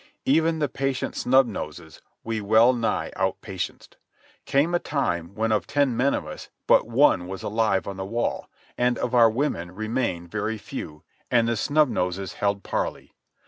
Even the patient Snub Noses we well nigh out patienced. Came a time when of ten men of us, but one was alive on the wall, and of our women remained very few, and the Snub Noses held parley.